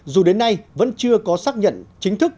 dù đến nay vẫn chưa có xác nhận chính thức